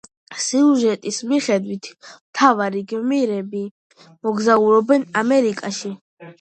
სიუჟეტის მიხედვით, მთავარი გმირები მოგზაურობენ ამერიკაში.